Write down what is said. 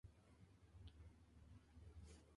Destacan los cultivos de maíz, caña, sorgo y garbanzo.